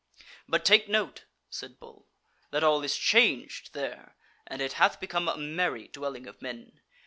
"But take note," said Bull, "that all is changed there, and it hath become a merry dwelling of men.